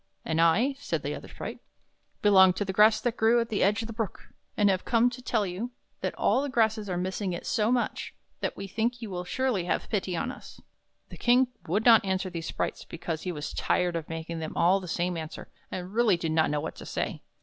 " And I," said the other sprite, " belong to the grass that grew at the edge of the Brook, and have come to tell you that all the grasses are missing it so much, that we think you will surely have pity on us." The King would not answer these sprites, because he was tired of making them all the same answer, and really did not know what to say.